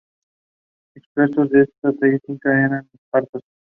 Expertos en esta táctica eran los partos.